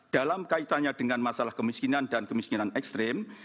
dalam kaitannya dengan masalah kemiskinan dan kemiskinan ekstrim